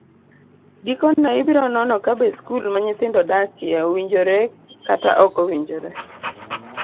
Gikone, ibiro nono kabe skul ma nyithindo dakie owinjore kata ok owinjore.